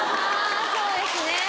・そうですね